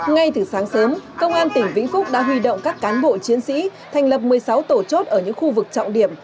ngay từ sáng sớm công an tỉnh vĩnh phúc đã huy động các cán bộ chiến sĩ thành lập một mươi sáu tổ chốt ở những khu vực trọng điểm